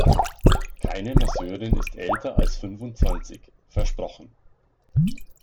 Keine Masseurin ist älter als fünfundzwanzig, versprochen!